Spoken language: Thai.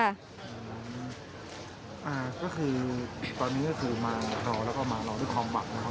อ่าก็คือตอนนี้ก็คือมารอแล้วก็มารอด้วยความหวังนะครับ